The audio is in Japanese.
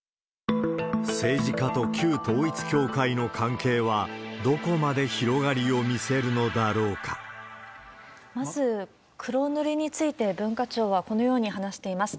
政治家と旧統一教会の関係はどこまで広がりを見せるのだろうまず、黒塗りについて、文化庁はこのように話しています。